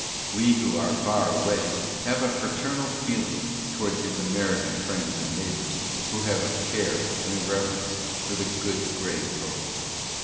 We who are far away have a fraternal feeling towards his American friends and neighbors who have a care and reverence for the Good Gray Poet.